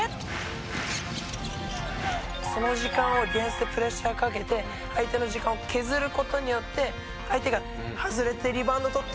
その時間をディフェンスでプレッシャーかけて相手の時間を削る事によって相手が外れてリバウンド取って早い展開に持っていけるんですよ。